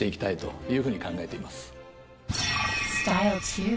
はい。